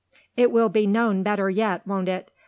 "It will be known better yet, won't it?